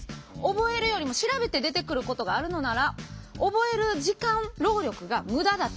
覚えるよりも調べて出てくることがあるのなら覚える時間労力が無駄だと。